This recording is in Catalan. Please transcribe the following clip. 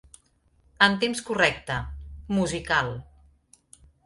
En temps correcte (musical).